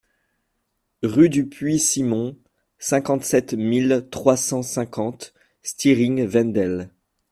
Rue du Puits Simon, cinquante-sept mille trois cent cinquante Stiring-Wendel